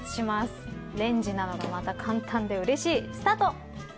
レンジなのがまた簡単でうれしい。スタート。